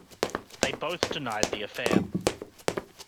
They both denied the affair.